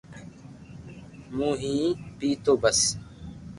مون ھي پينتو بس